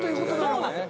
そうなんです。